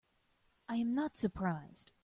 I am not surprised.